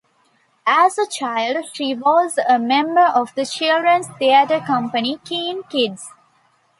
As a child, she was a member of the children's theatre company 'Keane Kids'.